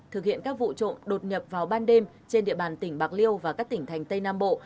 thực hiện các vụ trộm đột nhập vào ban đêm trên địa bàn tỉnh bạc liêu và các tỉnh thành tây nam bộ